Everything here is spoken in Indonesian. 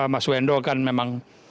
mas wendo kan memang